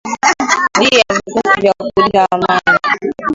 di ya vikosi vya kulinda amani